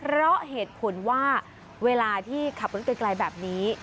เพราะเหตุผลว่าเวลาที่ขับรถไกลแบบนี้